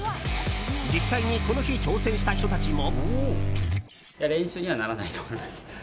実際にこの日、挑戦した人たちも。